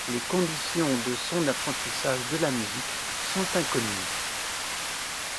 Les conditions de son apprentissage de la musique sont inconnues.